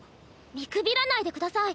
見くびらないでください。